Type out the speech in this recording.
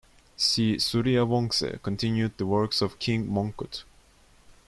Si Suriyawongse continued the works of King Mongkut.